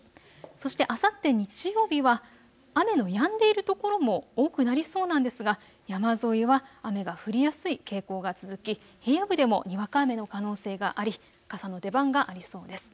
そしてあさって日曜日は雨のやんでいる所も多くなりそうなんですが、山沿いは雨が降りやすい傾向が続き平野部でもにわか雨の可能性があり、傘の出番がありそうです。